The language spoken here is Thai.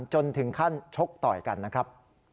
จนถึงขั้นชกต่อยกันนะครับ